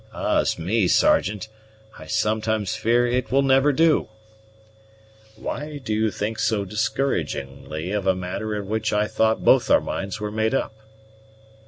"Ah's me, Sergeant, I sometimes fear it will never do." "Why do you think so discouragingly of a matter on which I thought both our minds were made up?"